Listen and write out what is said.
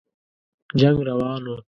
جنګ روان وو.